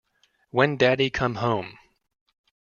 When Daddy come home?